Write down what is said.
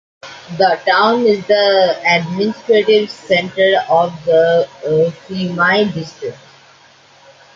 The town is the administrative center of the Phimai District.